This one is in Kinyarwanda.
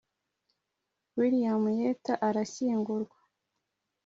william yeats arashyingurwa.